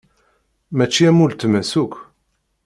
Mačči am uletma-s akk.